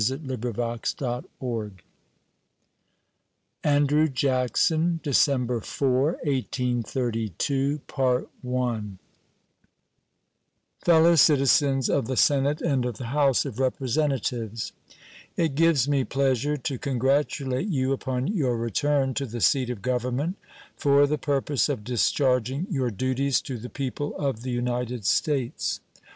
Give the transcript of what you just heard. State of the Union Address Andrew Jackson December 4, 1832 Fellow Citizens of the Senate and of the House of Representatives: It gives me pleasure to congratulate you upon your return to the seat of Government for the purpose of discharging your duties to the people of the United States.